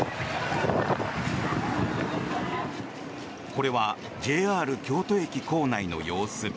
これはＪＲ京都駅構内の様子。